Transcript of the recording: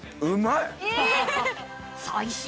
うまい！